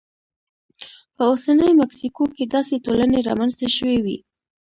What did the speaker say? په اوسنۍ مکسیکو کې داسې ټولنې رامنځته شوې وې